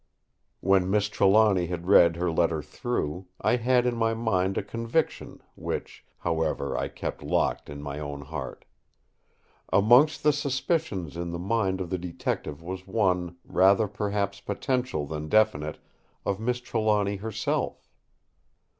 When Miss Trelawny had read her letter through, I had in my mind a conviction, which, however, I kept locked in my own heart. Amongst the suspicions in the mind of the Detective was one, rather perhaps potential than definite, of Miss Trelawny herself.